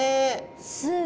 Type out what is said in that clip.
すごい！